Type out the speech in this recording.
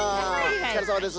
おつかれさまです。